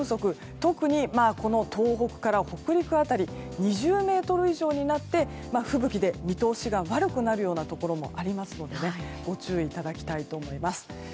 特に東北から北陸辺り２０メートル以上になって吹雪で見通しが悪くなるようなところもありますのでご注意いただきたいです。